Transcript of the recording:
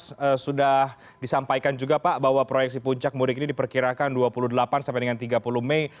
tadi sudah disampaikan juga pak bahwa proyeksi puncak mudik ini diperkirakan dua puluh delapan sampai dengan tiga puluh mei